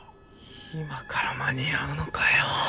今から間に合うのかよ？